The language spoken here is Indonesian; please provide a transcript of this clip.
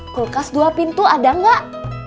kulkas dua pintu ada nggak